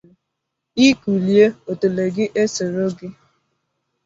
ị kulie otele gị e soro gị